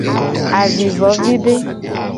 Avivovide.